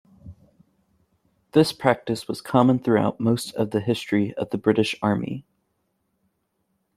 This practice was common throughout most of the history of the British Army.